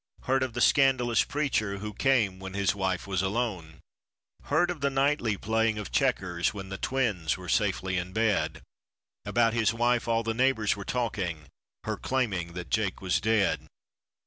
Heard of the scandalous preacher, who came when his wife was alone; Heard of the nightly playing of checkers when the twins were safely in bed, About his wife all the neighbors were talking, her claiming that Jake was dead.